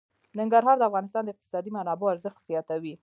ننګرهار د افغانستان د اقتصادي منابعو ارزښت زیاتوي.